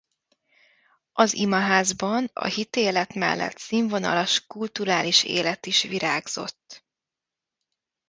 Az imaházban a hitélet mellett színvonalas kulturális élet is virágzott.